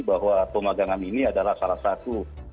bahwa pemagangan ini adalah salah satu